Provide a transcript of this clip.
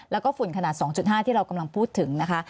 แล้วก็ฝุ่นขนาด๒๕ที่เรากำลังพูดถึงนะคะ